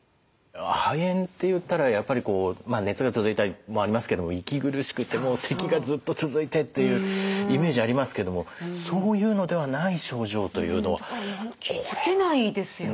肺炎っていったらやっぱりこう熱が続いたりもありますけども息苦しくてもうせきがずっと続いてっていうイメージありますけれどもそういうのではない症状というのはこれは。気付けないですよね。